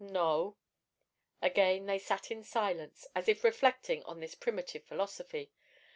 "No." Again they sat in silence, as if reflecting on this primitive philosophy.